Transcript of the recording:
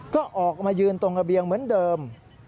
ก็ออกมายืนตรงระเบียงเหมือนเดิม